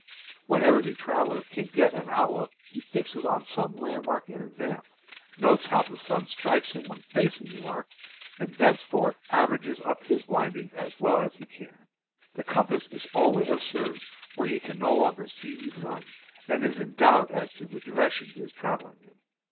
Wherever the traveler can get an outlook he fixes on some landmark in advance, notes how the sun strikes him when facing the mark, and thenceforth FOREST TRAVEL 191 averages up his windings as well as he can. The com pass is only of service when he can no longer see the sun, and is in doubt as to the direction he is traveling in.